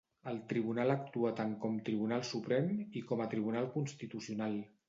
El tribunal actua tant com Tribunal Suprem i com a tribunal constitucional.